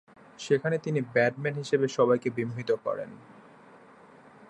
সেখানে তিনি ব্যাটসম্যান হিসেবে সবাইকে বিমোহিত করেন।